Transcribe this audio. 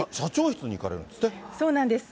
そうなんです。